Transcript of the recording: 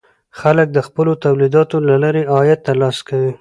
خلک د خپلو تولیداتو له لارې عاید ترلاسه کوي.